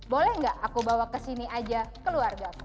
boleh gak aku bawa kesini aja keluarga